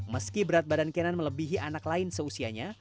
meski berat badan kenan melebihi anak lain seusianya